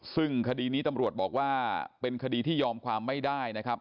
ซึ่งคดีนี้ตำรวจบอกว่าเป็นคดีที่ยอมความไม่ได้นะครับ